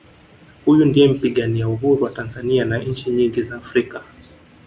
huyu ndiye mpigania Uhuru wa tanzania na nchi nyingi za africa